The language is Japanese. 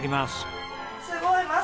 すごい。